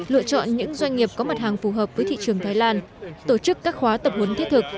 lựa chọn những doanh nghiệp có mặt hàng phù hợp với thị trường thái lan tổ chức các khóa tập huấn thiết thực